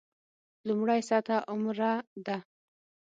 لومړۍ سطح عمره ده.